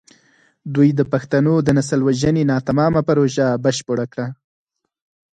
دوی د پښتنو د نسل وژنې ناتمامه پروژه بشپړه کړه.